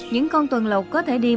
những con tuần lục có thể đi một ngày